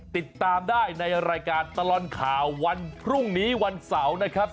ติดตามได้ในรายการตลอดข่าววันพรุ่งนี้วันเสาร์นะครับ